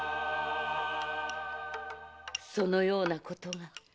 そのようなことが。